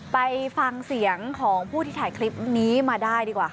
ไปฟังเสียงของผู้ที่ถ่ายคลิปนี้มาได้ดีกว่าค่ะ